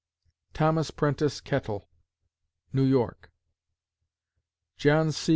THOMAS PRENTICE KETTELL (New York) _John C.